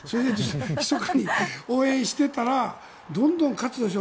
ひそかに応援していたらどんどん勝つでしょ。